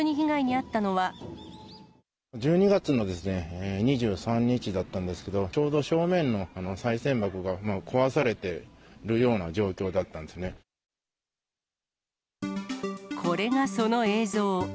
１２月の２３日だったんですけど、ちょうど正面のこのさい銭箱が壊されてるような状況だったんですこれがその映像。